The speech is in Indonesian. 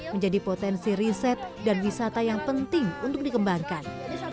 menjadi potensi riset dan wisata yang penting untuk dikembangkan